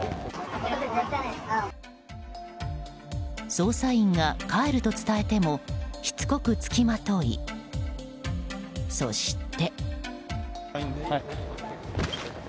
捜査員が帰ると伝えてもしつこく付きまとい、そして。